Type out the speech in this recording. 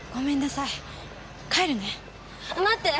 待って！